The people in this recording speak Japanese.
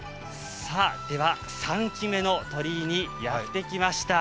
３基目の鳥居にやってきました。